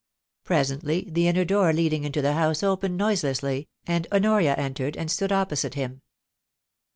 Presently the inner door leading into the house opened noiselessly, and Honoria entered and stood opposite him.